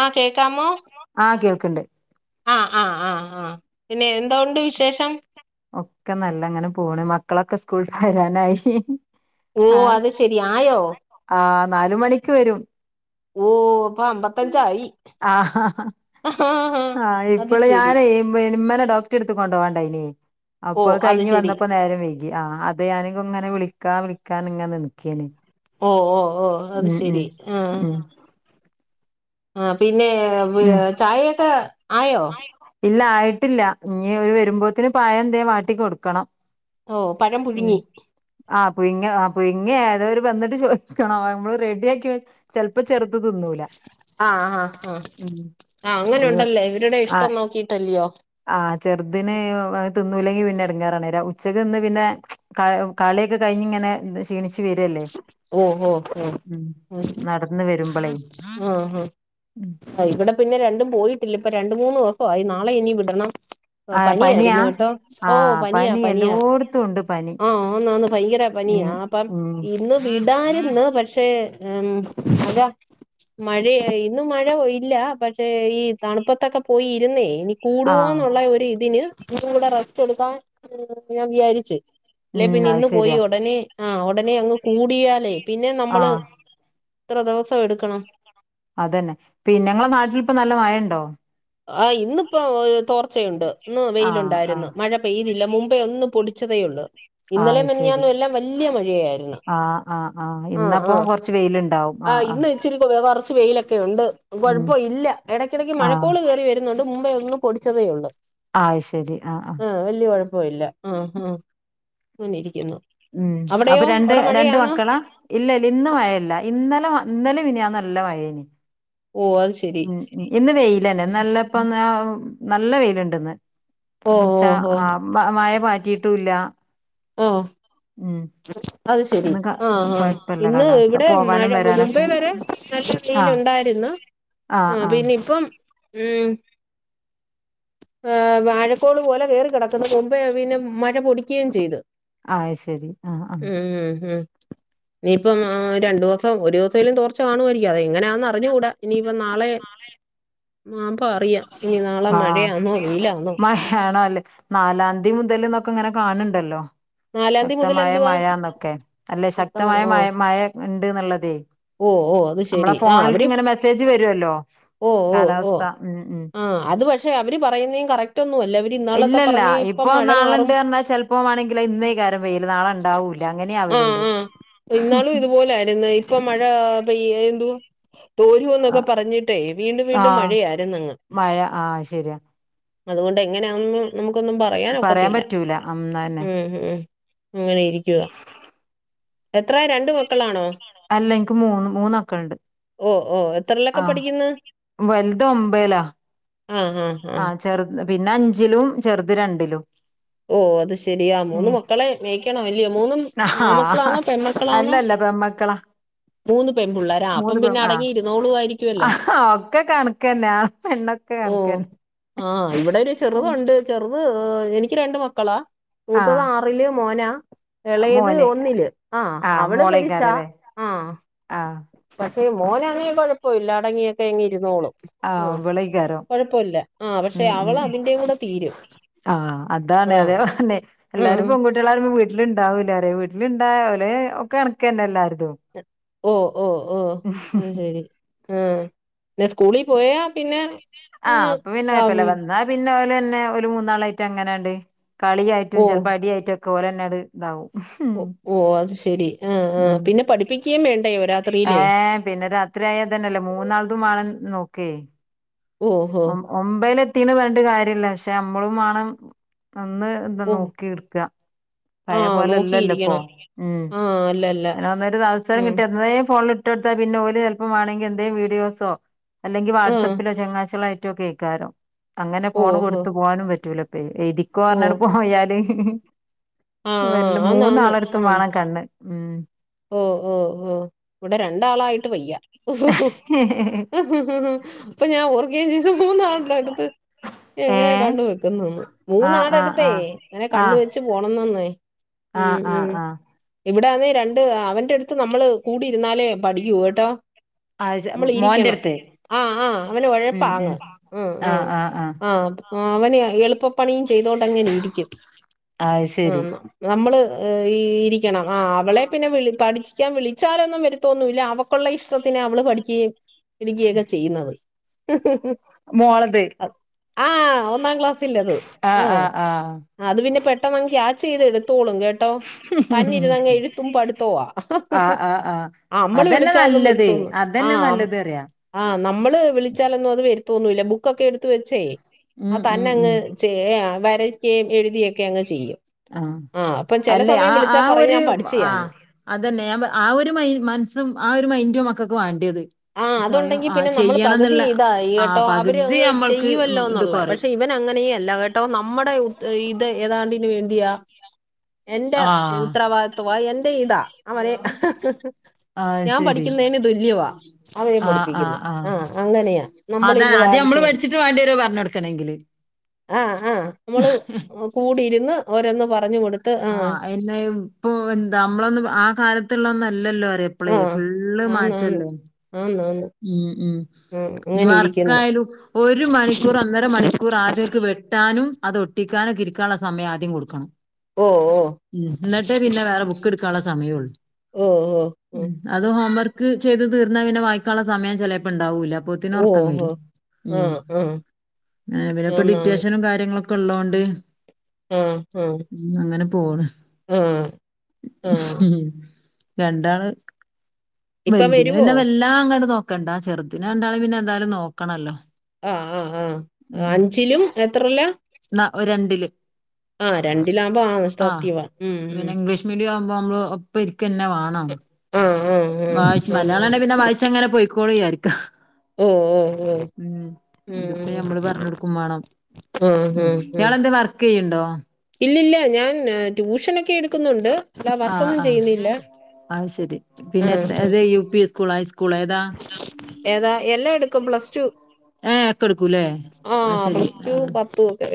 ആഹ് കേക്കാമോ. ക്ണ്ട്. ആഹ് ആഹ് ആഹ് ആഹ് പിന്നെ എന്താ ഉണ്ട് വിശേഷം? ഒക്കെ നല്ല ങ്ങനെ പോണ് മക്കളൊക്കെ സ്കൂള്ട്ട് വരാനായി. ഓ ആഹ് അത് ശെരി ആയോ. ആഹ് നാല് മണിക്ക് വരും ഓ അപ്പൊ അമ്പത്തഞ്ചായി. ആ ആ അത് ഇപ്പള് ശരി ഞാനേ [unintelligible] യ്ന് മ്മനെ ഡോക്ടട്ത്ത് ക്ക് കൊണ്ടാവാണ്ടായിന്യേ. ഓ അപ്പൊ അത് കഴിഞ്ഞ് ശരി വന്നപ്പം നേരം വൈകി. ആ അതാ ഞാന് ഇങ്ങനെ വിളിക്കാ വിളിക്കാർഞ് ഇങ്ങനെ നിന്ന് ക്കേ നി. ഓ ഓ ഓ അത് ശെരി ആഹ് ഉം ആ പിന്നെ ഉം ചായയൊക്കെ ആ ഇല്ല ആയിട്ടില്ല ഇനി അവര് വരുമ്പോത്തിന് പഴം എന്തേ വാട്ടി കൊടുക്കണം. ഓ പഴം പുഴുങ്ങി പുയ്ങ്ങാ. ആ പുയിങ്ങേ അതോര് വന്നിട്ട് ചോദിക്കണം നമ്മള് റെഡിയാക്കി വ ചെൽപ്പോ ചെറുത് തിന്നൂല. ആഹ് ആഹ് ആഹ് ആഹ് അങ്ങനെ ഉണ്ടല്ലേ. ഇവര് ആ ആ ചെറുദിന് അത് തി ന്നൂലെങ്കി പിന്നെ എടുങ്ങാറാണെ. ഉച്ചക്ക്ന്ന് പിന്നെ ക കള്യൊക്കെ കഴിഞ്ഞ് ഇങ്ങനെ ക്ഷീണിച്ച് ട്ട് വരല്ലേ. ഓ ഓ നടന്ന് വ ആഹ് ഹാ ഇവടെ പിന്നെ രണ്ടും പോയി ട്ടില്ല. ഇപ്പ രണ്ട് മൂന്ന് ദിവസായി. നാളെ ഇനി വിടണം. ആഹ് പനിയാ പനിയായിരുന്നു കേട്ടോ. ഓ ആഹ് പനിയാ പനി പനിയാ എല്ലോട്ത്തും ഉണ്ട് പനി ആഹ് ആന്നാന്ന് ഭയങ്കര പ നിയാ ഉം അപ്പം ഉം ഇന്ന് വിടാര്ന്ന്, പക്ഷേ ഉം അതാ മഴയായി. ഇന്നും മഴ ഇല്ല പക്ഷേ ഈ തണുപ്പത്തൊക്കെ പോയി ഇരുന്നേ. ഇനി കൂടുവോ ആഹ് എന്നുള്ള ഒരു ഇതിന് ഇന്നും കൂടെ റസ്റ്റ് എടുക്കാൻ ഞാൻ വിചാരിച്ചു. അല്ലെ പിന്നെ ഉം അത് ഇന്ന് പോയി ശരിയാ ഉടനെ ആ ഉടനെ അങ്ങ് കൂടിയാലേ പിന്നെ നമ്മള് ആഹ് എത്ര ദിവസം എടുക്കണം. അതന്നെ പിന്നെങ്ങളെ നാട്ടിലിപ്പം നല്ല മഴണ്ടോ? ആ ഇന്നിപ്പോ തോർച്ചയുണ്ട്. ഇന്ന് ആഹ് വെയിലുണ്ടായിരുന്നു. ആഹ് മഴ പെയ്തില്ല മുമ്പേ ഒന്നു പൊടി ച്ചതേയുള്ളൂ. ആഹ് ഇന്നലെം അത് ശരി മിനിയാന്നും എല്ലാം വല്യ മഴയായിരുന്നു. ആഹ് ആഹ് ആഹ് ഇന്നപ്പം ആഹ് കൊറച്ച് വെയില്ണ്ടാവും ആഹ് ഇന്ന് ഇച്ചിരി [unintelligible] ച്ച് വെയിലൊക്കെ ഉണ്ട്. ഉം കുഴപ്പ ഇല്ല. ഇടയ്ക്കിടക്ക് ആഹ് മഴക്കോൾ കേറി വരുന്നുണ്ട്. മുമ്പേ ഒന്ന് പൊടിച്ചതേ ഉള്ളൂ. ആഹ്ശരി ആ ആ പോയില്ല ആ ആ അങ്ങന ഇരിക്കുന്നു. ഉം അപ്പൊ അവിടെയോ രണ്ട് അവിടെ രണ്ട് മഴയാന്നോ മക്കളാ. ഇല്ല ഇല്ല ഇന്ന് മഴല്ല. ഇന്നലെ ഇന്നലെ മിനിയാന്നും നല്ല മഴേനി. ഓ അത് ശരി ഉം ഇന്ന് വെയിലന്നെ. ഇന്നല്ലപ്പം ന്ന് നല്ല വെയിലുണ്ട് ഇന്ന്. ഓ ന്ന് ഓ ച്ചാ ഓ ആ മഴ പാറ്റിയിട്ടൂല്ല. ഓഹ് അത് ശെരി ഇന്ന് ക ആ ഹാ കൊഴപ്പല്ല ഇന്ന് കാലാവസ്ഥ ഇവിടെ മഴ പോവാനും മുമ്പെ വരാനൊക്കെ വരെ നല്ല വെയില് ആഹ് ഉണ്ടായിര്ന്ന്. ആ ആഹ് ആഹ് പിന്നെ ഇപ്പം ഉം വ് വാഴക്കോള് പോലെ കേറി കിടക്കുന്ന് കൊമ്പേ പിന്നെ മഴ പൊടിക്കേം ചെയ്ത് ആയ്ശരി ആഹ് ആഹ് ഇനീപ്പം രണ്ടു ദിവസം ഒരു ദിവസേലും തോർച്ച കാണുവായിരിക്കും. അതെങ്ങനാന്ന് അ റിഞ്ഞുകൂടാ ഇനിയിപ്പം നാളെ മാമ്പോ അറിയാ. ഇനി നാളെ ആഹ് മഴയാന്നോ വെയിലാന്നോ. മഴയാണോ അല്ലേ നാലാംതി മുതൽന്നൊക്കെ ഇങ്ങനെ കാണണ്ടല്ലോ നാലാം തീയതി മുതൽ ശക്തമായ എന്തുവാ മയന്നൊക്കെ അല്ലെ വ്യക്തമായി ശക്തമായ ഓ മയ മയ ഇണ്ട്ന്നുള്ളതേ ഓ ഓ അത് നമ്മളെ ശെരി ആ ഫോണിൽക്ക് അവര് ഇങ്ങനെ മെസ്സേജ് വരുവല്ലോ ഓ ഓ ഓ കാലാവസ്ഥ ഉം ഉം ആ അത് പക്ഷെ അവര് പറയുന്നേ കറക്റ്റ് ഒന്നു ഇല്ലല്ല ഇപ്പൊ മാറും നാളുണ്ട്ഞ്ഞാൽ ചെല്പംമാണെങ്കിലെ ഇന്നേ കേറി പെയ്യല് നാളണ്ടാവൂല അങ്ങനെയാ ഉം ഉം ഇന്നാളും ഇതുപോലെ ആയിരുന്നു ഇപ്പൊ മഴ പെയ്യ്ദു തോരൂ എന്നൊക്കെ പറഞ്ഞിട്ടേ വീണ്ടും വീണ്ടും ആഹ് മഴയാരുന്നങ്ങ് മഴ ആഹ് ശരിയാ അതുകൊണ്ട് എങ്ങനെയാഒന്നും നമുക്കൊന്നും പറയാൻ പറയാനൊക്കത്തില്ല പറ്റൂല ഉം അതന്നെ ഉം ഉം അങ്ങനെ ഇരിക്ക്യാ എത്രേ രണ്ട് മക്കളാണോ അല്ല എൻക്ക് മൂന്ന് മൂന്നക്കളുണ്ട് ഓ ഓ എത്രയിലൊക്കെ ആഹ് പഠിക്കുന്നു വലുത് ഒമ്പയ്ലാ ആ ചെറുത് പിന്നെ അഞ്ചിലും ചെറുത് രണ്ടിലും ഓ അത് ശെരിയാ ഉം മൂന്ന് മക്കളെ മേയിക്കണം അല്ലയോ മൂന്നും ആൺമക്കളാന്നോ പെൺമക്കളാന്നോ പെൺമക്കളാ അപ്പം മൂന്ന് പെൺ പിന്നെ ആ അടങ്ങി ഇരുന്നോളുമായിരിക്കുമല്ലോ ആ ഒക്കെ കണക്കെന്നെ ആ പെണ്ണ് ക്ക് കണക്കെന്ന ആഹ് ഇവിടെ ഒരു ചെറുതൊണ്ട് ചെറുത് എനിക്ക് രണ്ട് മക്കളാ മൂത്തത് ആഹ് ആറില് മോനാ എളേത് മോന് ഒന്നില് ആഹ് ആഹ്അവള് പെരിശാ മോളേക്കാരല്ലേ ആഹ് ആഹ് പക്ഷേ മോന് അങ്ങിയേ കൊഴപ്പോയില്ല അടങ്ങിയൊക്കെ ഇങ്ങ് ഇരുന്നോളും ആഹ് കൊഴപ്പൊല്ല ആ പക്ഷെ ഉം ഉം അവൾ അതിന്റെ കൂടെ തീരും ആഹ് അതാണ് ആ അതേ തന്നെ ഉം എല്ലാരും പെൺകുട്ടികളാരും വീട്ടില്ണ്ടാവൂല്ല ആരേ വീട്ടിലിണ്ടാവല് ഒക്കെ കണക്കെന്നെ എല്ലാരും ഓ ഓ ഓ അത് ശരി ആഹ് പിന്ന സ്കൂളിൽ പോയ പിന്നെ അങ്ങ് [unintelligible] രാവിലെന്നെ ഒരു മൂന്നാളായിറ്റ് അങ്ങനെയണ്ട് കളിയായിട്ടും ഓ ചിലപ്പോ അടിയായിട്ടും ഒക്കെ ഓലന്നട് ഇതാവും ഓ ഓ അത് ശരി ആ ആ പിന്നെ പഠിപ്പിക്ക് ഏയ് പിന്നെ രാത്രി ആയ തന്നെല്ലേ മൂന്നാളതും [unintelligible] നോക്കേ ഓ ഹോ ഒം ഒമ്പല് എത്തീന്ന് പറന്നിട്ട് കാര്യല്ല പക്ഷെ നമ്മളും മാണം അന്ന് ഇന്താ ഓ നോക്കി എട്ക്കാം പയേ ആഹ് പോലെ അല്ലല്ലോ ഇപ്പൊ നോക്കിയിരിക്കണം ഉം ആഹ് അല്ല അല്ല [unintelligible] അന്നൊരു അവസരം ഉം കിട്ടി എന്നേ ഫോണില് ഇട്ടൊടുത്താൽ പിന്നെ ഓര് ചെലപ്പംമാണെങ്കി എന്തേ വീഡിയോസോ അല്ലെങ്കിൽ വാട്സ് ആഹ് അപ്പിലോ ചങ്ങാച്ചലോ ആയിറ്റൊക്കെ [unintelligible] അങ്ങനെ ഫോണ് ഓഹോ കൊടുത്ത് പോവാനും പറ്റൂല പേ എയ്തിക്കോ ഓ പറഞ്ഞണ്ട് പോയാല് ആഹ് വല്ല ആഹ് ആന്ന് ആന്ന് മൂന്നാളടുത്തും ആഹ് വേണം കണ്ണ് ഉം ഓ ഓ ഓ ഇവിടെ രണ്ടാളായിട്ട് വയ്യ [unintelligible] ഉം [unintelligible] ഇപ്പൊ ഞാൻ [unintelligible] ഇത് മൂന്നാണല്ലോ [unintelligible] ഏ എങ്ങനെ കണ്ണ് വെക്കുന്നുന്ന് ആഹ് ആഹ് മൂന്നാടടുത്തേ ആഹ് അങ്ങനെ കണ്ണ് ആഹ് വെച്ചു പോണംന്നന്നേ ആഹ് ആഹ് ആഹ് ഇവിടുന്നേ രണ്ട് അവന്റെ അടുത്ത് നമ്മള് കൂടി ഇരുന്നാലേ പഠിക്കൂ കേട്ടോ [unintelligible] മോന്റടുത്തേ ആഹ് ആഹ് അവന് ഉഴപ്പാങ് ഉം ഉം ആഹ് ആഹ് ആഹ് അവന് എളുപ്പപണിയും ചെയ്ത് അതൊണ്ട് അങ്ങനെ ഇരിക്കും അത് ആ ശരി നമ്മൾ ആ ഇരിക്കണം ആ അവളെ പിന്നെ വിള പഠിക്കാൻ വിളിച്ചാലൊന്നും വരുത്തോന്നൂല്ല അവക്കുള്ള ഇഷ്ടത്തിന് അവള് പഠിക്കുകയും എനിക്കയൊക്കെ ചെയ്യുന്നത്. ഹ ഹ മോളത് ആ ഒന്നാം ക്ലാസ്സലത് ആ ആഹ് ആഹ് ആഹ് അത് പിന്നെ പെട്ടെന്ന് ക്യാച്ച് ചെയ്ത് [unintelligible] തോളും കേട്ടോ തന്നെ ഇരുന്നങ്ങ് എഴുത്തും പഠുത്തവും ആ ഹ ഹ ആഹ് ആഹ് ആഹ് ആ നമ്മള് അതന്നെ വിളിച്ചാലൊന്നും നല്ലത് വരുത്തൂന്നു ആ അതന്നെ നല്ലത് അറിയാ ആ നമ്മള് വിളിച്ചാലൊന്നും അത് വരു തോന്നൂല ബുക്കൊക്കെ എടുത്ത് വെച്ചേ അ ഉം ഉം തന്നെ ഉം ചെയ്യാ വ വരക്കുകയും എഴുതിയൊക്കെ അങ്ങ് ചെയ്യും. ആഹാ ആ അപ്പം ചില അല്ലെ ആ സമയം ആ വിളിച്ചാൽ പറയും ഒരു ഞാൻ ആ പഠിച്ചയാന്ന് അതന്നെ ഞ ആ ഒരു മെ മനസ്സും ആ ഒരു മൈൻഡും മക്കക് വേണ്ടിയത്. ആ സ്വയം അതുണ്ടെങ്കി ആ പിന്നെ നമ്മള് പകുതി ചെയ്യണംന്നുള്ള ഇതായി ആ കേട്ടോ. അവര് പകുതി അങ്ങ് നമ്മൾക്ക് ഉം ഇത് ചെയ്യുവല്ലോന്നുള്ളത്. കൊറയും പക്ഷെ ഇവ ൻ അങ്ങനെയല്ല കേട്ടോ. നമ്മുടെ ഇത് ഏതാണ്ടിന് വേണ്ടിയാ എന്റെ ആഹ് ഉത്തരവാദിത്വവാ എന്റെ ഇതാ അവന്. ഹ ഹ ഹ ആഹ് ഞാൻ ശരി പഠിക്കുന്നതിന് തുല്യവാ അവനെ ആഹ് പഠിപ്പിക്കുന്നേ. ആഹ് ആഹ് ആ അങ്ങനെയാ അതാണ് നമ്മളിരുന്ന് വാ അത് നമ്മള് പഠിച്ചിട്ട് വേണ്ടി വരും പറഞ്ഞു കൊടുക്കണെങ്കില്. ആ ആ നമ്മള് കൂടിരുന്ന് ഓരോന്ന് പറഞ്ഞു കൊടുത്ത ആ എന്നെ ഇപ്പൊ എന്താ നമ്മളൊന്ന് ആ കാലത്തുള്ള ഒന്ന ല്ലോ അര ഇപ്പളേ ആ ഫുള്ള് ആന്നാന്ന് മാറ്റമല്ലേ? ആന്നാന്ന് ഉം ഉം. ആ ഇനി അങ്ങനെ ഇരിക്കുന്നു വർക്കായാലും ഒരു മണിക്കൂർ ഒന്നര മണിക്കൂർ ആദ്യവര്ക്ക് വെട്ടാ ട്ടനും അതൊട്ടിക്കാനും ഇരിക്കാനുള്ള സമയം ആദ്യം കൊടുക്കണം. ഓ ഓ എന്നിട്ടേ പിന്നെ വേറെ ബുക്ക് എടുക്കാനുള്ള സമയമുള്ളു. ഓ ഓ ഉം. അത് ഹോം വർക്ക് ചെയ്ത് തീർന്നാ പിന്നെ വായിക്കാനുള്ള സമയം ചിലപ്പോം ഇണ്ടാവൂല്ല. ഓ പ്പത്തിന്ഉറക്കം ഓ വരും. ആ ആ പിന്നെ ആന്നാന്ന് ഡിറ്റേഷനും കാര്യങ്ങളക്കെ ക്കെ ഉള്ളോണ്ട് ആ ഹാ അങ്ങനെ പോണ് ആ ഹു ഹു രണ്ടാള് ഇപ്പൊ വലുതിന് വരുവോ പിന്നെ വെല്ലാം അങ്ങനെ നോക്കണ്ടാ. ചെറുതിനെ രണ്ടാളേയും പിന്നെ എന്തായാലും നോക്കണല്ലോ? ആ ആ ആ അഞ്ചിലും എത്രയിലാ? ഓര് രണ്ടില്. ആ രണ്ടിലാകുമ്പോ ആ സത്യവാ. ഉം ഉം നമ്മൾ ഒപ്പം ഇരിക്ക തന്നെ വേണം. ആ ആ ആ ആണ് വായി--മലയാളം പിന്നെ വായിച്ചങ്ങനെ പോയി ക്കോളും വിചാരിക്ക. ഓ ഓ ഓ ഉം ഇതിപ്പോ ഉം ഞമ്മള് പറഞ്ഞ കൊടുക്കും വേണം ആ ആ ഉംഇയാളെ എന്തേ വർക്ക് ചെയ്യുണ്ടോ? ഇല്ല ഇല്ല ഞാൻ ട്യൂഷനൊക്കെ എടുക്കുന്നുണ്ട്. അല്ല ആ വർക്കൊന്നും ആ ചെയ്യുന്നില്ല അത്ശെരി ഉം പിന്നെ ഉം അത് യു പി സ്കൂൾ ഹൈസ്കൂ കുളോ ഏതാ? എല്ലാംഎടുക്കുംപ്ലസ് ടു. ഏഹ് ഒക്കെ എടുക്കൂല്ലേ ആ അത് ശരി പ്ലസ് ടുവും ആഹ് പത്തും ഒക്കെ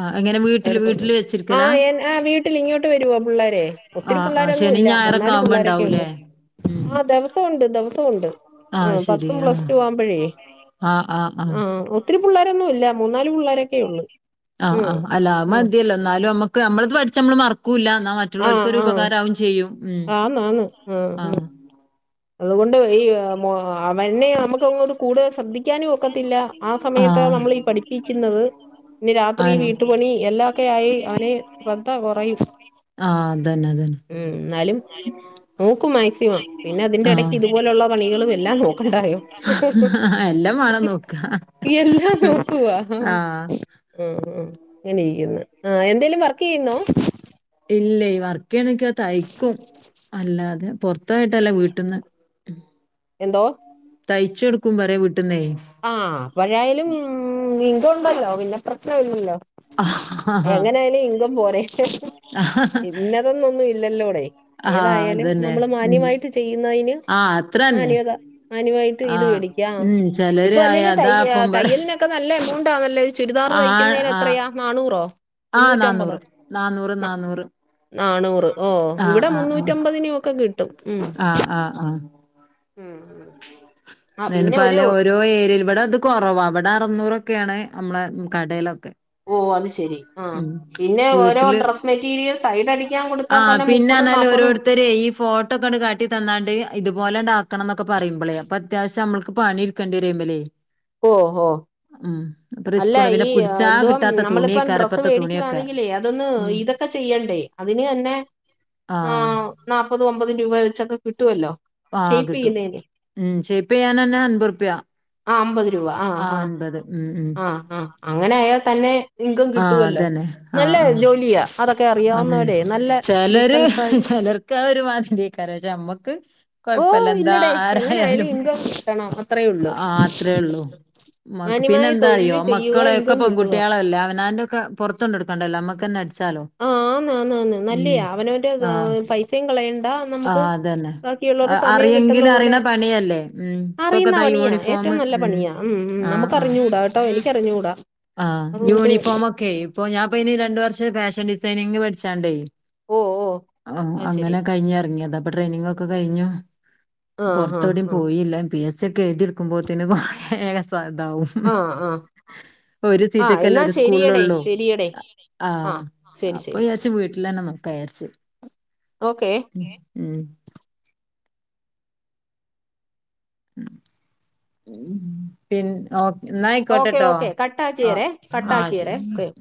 ആഹ് എങ്ങനെ വീട്ടില് എടുക്കും. വീട്ടില് ആ വെച്ചിരിക്കലാ ആ വീട്ടിൽ ഇങ്ങോട്ട് വരുവാ പിള്ളേരെ ഒത്തിരി ആഹ് ആഹ് പിള്ളേരൊന്നു ശനിയും ന്നുംഇല്ല. ഞായറൊക്കെ എന്നാലും ആവുമ്പോ പിള്ളാരൊക്കെ ഉണ്ട്. ഉണ്ടാവൂലേ ഉം ആ ദിവസം ഉണ്ട് ദിവസ സം ഉണ്ട്. ഉം ആഹ് ശരി പത്തും പ്ലസ് ആഹ് ടുവും ആവുമ്പോഴേ ആഹ് ആഹ് ആഹ് ആ ഒത്തിരി പിള്ളോരൊന്നും ഇല്ല. മൂന്നാല് പിള്ളേരൊക്കെ ഉള്ളു. ആ ഉം ആ അല്ല അതു ഉം മതിയല്ലോ. എന്നാലും നമ്മുക്ക് നമ്മളത് പഠിച്ച് നമ്മള് മറക്ക ക്കൂല്ല. എന്നാ ആ മറ്റുള്ളവർക് ഒരു ആ ഉപകാര ആവുകയും ചെയ്യും. ഉം ആ അതുകൊണ്ട് ഈ മോ--അവനെ നമുക്ക് അങ്ങോട്ട് കൂടെ ശ്രദ്ധിക്ക ശ്രദ്ധിക്കാനും ഒക്കത്തില്ല ആ സമയത്ത് ആഹ്. നമ്മൾ ഈ പഠിപ്പിക്കുന്നത്. ഇനി രാത്രി അതെന്നെ. വീട്ടുപണി എല്ലാം ഒക്കെ യായി അവനെ ശ്രദ്ധ കുറയും. ആഹ് അതന്നെ അതന്നെ. ഉം. എന്നാലും നോക്കും മാക്സിമം. പിന്നെ അതിന്റെ ഇടക്ക് ആഹ്. ഇതുപോലുള്ള പണികളും എല്ലാം നോക്കണ്ടായോ? എല്ലാം വേണം നോക്കാ. എല്ലാം നോക്കുവാ. ഹാ ആഹ്. അങ്ങനെര്ക്കുന്നു ആ എന്തേലും വർക്കെയ്യുന്നോ? ഇല്ല വർക്കെയ്യ്ണ്ച്ച തയ്ക്കും. അല്ലാതെ പൊറത്തോയിട്ടല്ല. വീട്ട്ന്ന് എന്തോ? തയ്ച്ചടുക്കും പറ്യാ വീ ആ അപ്പോഴായാലും ഇൻകം ഉണ്ടല്ലോ പിന്നെ പ്രശ്നം ഇല്ലല്ലോ ആഹ് എങ്ങനൊയാലും ഇൻകം പോരെ ഇന്നതൊന്നൊന്നും ഇല്ലല്ലോടി. ഏതായാലും അതന്നെ. നമ്മള് ഉം. മാന്യമായിട്ട് ചെയ്യുന്നതിന്. ആഹ് അത്രന്നെ. മാന്യത മാന്യമായിട്ട് ഇത് ആഹ് വേടിക്കാ. ഉം ഇപ്പൊ ചെലര് അയ അല്ലെങ്കിലും തയ്യ അതാപ്പം പറ തയ്യലിനൊക്കെ നല്ല എമൗണ്ടാണല്ലോ ഒരു ചുരിദാർ ആ തയ്ക്കുന്നതിന് എത്രയാ നാന്നൂറോ? ആ നാന്നൂറ് നാന്നൂറ് നാന്നൂറ്. നാണൂറ് ഓ ആ ഇവിടെ ആ മുന്നൂറ്റമ്പതിനും ഒക്കെ കിട്ടും ഉം ആ ആ ആ ആ ഉം ആ പിന്നെ ഒരു [unintelligible] ഓരോ ഏരിയേൽ ഇവിടെ ഇത് കൊറവാ ഇവിടെ അറുന്നൂറൊക്കേണ്. നമ്മളെ കടേലൊക്കെ. ഓ അത് ശരി. ആ പിന്നെ ഓരോ വീട്ടില് ഡ്രസ്സ് മെറ്റീരിയൽ സൈഡ് അടിക്കാൻ കൊടുത്താൽ ആഹ് തന്നെ മുപ്പതും പിന്നെന്നാല് നാല്പ്പതും. ഓരോരുത്തരെ ഈ ഫോട്ടോ ഒക്കൊണ്ട് കാട്ടി തന്നാണ്ട് ഇത്പോലണ്ടാക്കണം. ന്നൊക്കെ പറയുമ്പളേ അപ്പൊ അത്യാവശം നമ്മൾക്ക് പണി ട്ക്കെണ്ടേരയ്മലേ ഓ ഓ ഉം. അത് അല്ല റിസ്കുവാണ് പിന്നെ പിടിച്ചാ കിട്ടാത്ത തുണി മേടിക്കുവാന്നെങ്കിലേ അതൊന്ന് ഇതൊക്കെ ചെയ്യണ്ടേ അതിന് തന്നെ. ആ അമ്പത് രൂപ വെച്ചൊക്കെ കിട്ടുവല്ലോ? ആഹ കിട്ടും ഉം ക്ഷെപ്പ ഞാനെന്നെ അൻപത് ഉറുപ്യ. ആ അമ്പത് രൂപ ആ അൻപത്. ഉം ഉം ആ ആ അങ്ങനെ ആയാൽ തന്നെ ഇൻകം ആഹ് കിട്ടുവല്ലോ? അതന്നെ നല്ല ആഹ് ആഹ് ജോലിയാ അതൊക്കെ അറിയാ ഉം ചെലര് ചെലർക്ക് അതൊര്മാതിരിയേക്കാരു പക്ഷെ നമ്മക്ക് ഓ കൊഴപ്പല്ല. എന്താ ഇല്ലടേ എങ്ങനെ ആയാലും ആരായാലും ഇൻകം കിട്ടണം അത്രേ ഉള്ളൂ ആ അത്രേ ഉള്ളൂ മക്ക് പിന്നെ മാന്യമായ തൊഴിൽ ചെയ്യുക മക്കളെ ഒക്കെ ഇൻകം കിട്ടുക പെൺകുട്ട്യാളല്ലേ അവനാന്റെ ഒക്കെ പൊറത്തൊണ്ടോട്ക്കണ്ടല്ലോ. അമ്മക്കന്നെ അട്ച്ചാലോ? ആ ആന്ന് ആന്ന് ആന്ന് നല്ലയാ അവനവന്റെ പൈസയും കളയണ്ട. നമുക്ക് ബാക്കിയുള്ളവരുടെ സമയം കിട്ടുന്ന എങ്കിലും അറിണ പോലെ പണിയല്ലേ? ഉം അറിയുന്ന ഇപ്പൊക്കതാ പണിയാ യൂണിഫോം ഏറ്റവും നല്ല ഉം പണിയാ ഉം ആ ആ നമുക്കറിഞ്ഞൂടാ കേട്ടോ എനിക്കറിഞ്ഞൂടാ ആ അതുകൊണ്ട് യൂണിഫോമൊക്കെ ഇപ്പൊ ഞാൻ ഇപ്പയ്ന് ര ണ്ട് വർഷം ഫാഷൻ ഡിസൈനിങ്ന്. പഠിച്ചാണ്ടേ? ഓ ഓ ആ അത് ശരി അങ്ങനെ കഴിഞ്ഞ് എറങ്ങിയത ഇപ്പൊ ട്രെയിനിങ് ഒക്കെ കഴിഞ്ഞു. ആ ഹാ പൊർത്തൊവ്ടേം ആ പോയില്ല. പി എസ് സി ഒക്കെ എഴുതി എടുക്കുമ്പോത്ത്ന്. കൊറേ ഏക പ്പതാവും ഉം ആ ആ ഒരു ആ സീറ്റൊക്കല്ലെ എന്നാ ഒരു ശരിയടേ സ്കൂളിലൊള്ളു. ശരിയടേ ആ ആഹ് ശരി അപ്പൊ ശരി വിചാര്ച്ച് വീട്ടിലെന്നെ നൊക്കാജാര്ച്ച്. ഓക്കെ പിൻ ഓ ഓക്കെ എന്നായിക്കോട്ടട്ടോ ഓക്കെ ആ കട്ടാക്കിയേരേ ആ കട്ടാക്കിയേരേ ശരി. ഓക്കെ